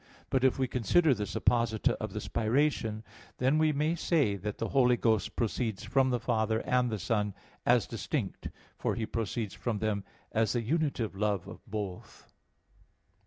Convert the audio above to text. But if we consider the supposita of the spiration, then we may say that the Holy Ghost proceeds from the Father and the Son, as distinct; for He proceeds from them as the unitive love of both.